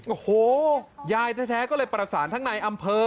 โอ้โหยายแท้ก็เลยประสานทั้งในอำเภอ